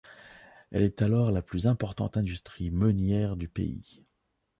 Elle est alors la plus importante industrie meunière du pays.